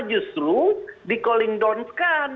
justru di calling downs kan